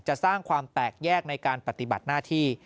จะสร้างความแตกแยกในการปฏิบัติหน้าที่